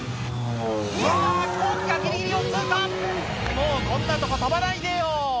もうこんなとこ飛ばないでよ